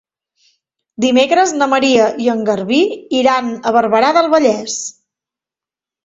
Dimecres na Maria i en Garbí iran a Barberà del Vallès.